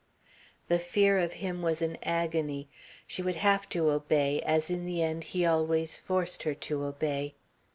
The fear of him was an agony. She would have to obey, as in the end he always forced her to obey.